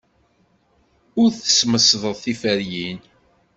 Ur tesmesdeḍ tiferyin.